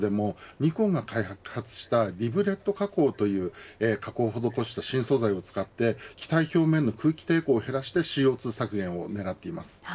今回のグリーンジェットでもニコンが開発したリブレット加工という加工を施した新素材を使って機体表面の空気抵抗を減らしてＣＯ２削減を狙っています。